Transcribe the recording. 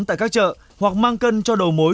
tại các chợ hoặc mang cân cho đầu mối